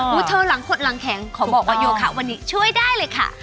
เธอหลังขดหลังแข็งขอบอกว่าโยคะวันนี้ช่วยได้เลยค่ะ